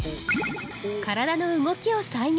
体の動きを再現。